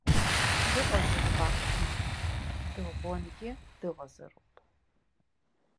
Дыҟазароуп аԥшәма, дыӷәӷәангьы дыҟазароуп.